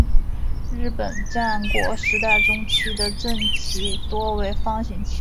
日本战国时代中期的阵旗多为方形旗。